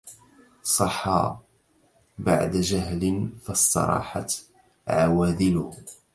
صحا بعد جهل فاستراحت عواذله